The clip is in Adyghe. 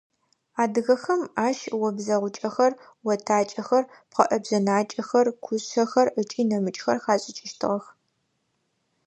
Адыгэхэм ащ обзэгъукӏэхэр, отакӏэхэр, пхъэӏэбжъэнакӏэхэр, кушъэхэр ыкӏи нэмыкӏхэр хашӏыкӏыщтыгъэх.